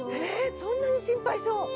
そんなに心配性？